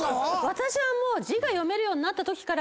私はもう。